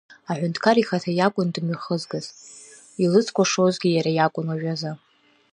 Аҳәынҭқар ихаҭа иакәын дымҩахызгаз, илыцкәашозгьы иара иакәын уажәазы.